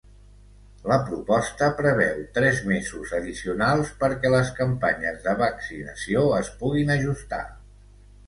La proposta preveu tres mesos addicionals perquè les campanyes de vaccinació es puguin ajustar.